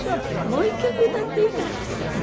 「もう１曲歌っていいか？」って言って。